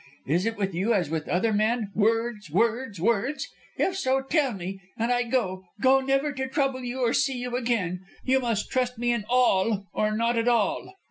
Is it with you as with other men words! words! words! If so, tell me, and I go go never to trouble you or see you again. You must trust me in all or not at all."